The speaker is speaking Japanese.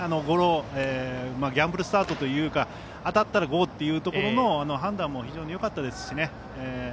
ゴロでギャンブルスタートというか当たったらゴーというところの判断も非常によかったですし